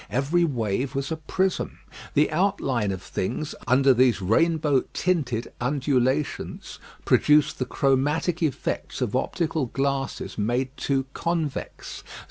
Every wave was a prism. The outlines of things under these rainbow tinted undulations produced the chromatic effects of optical glasses made too convex.